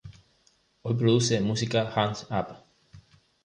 Hoy produce música hands up!